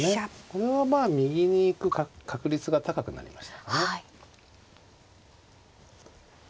これはまあ右に行く確率が高くなりましたかね。